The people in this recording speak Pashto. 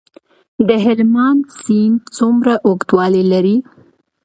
د هلمند سیند څومره اوږدوالی لري؟